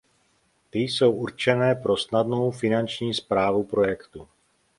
Ty jsou určené pro snadnou finanční správu projektu.